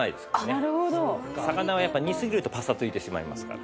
魚はやっぱ煮すぎるとパサついてしまいますから。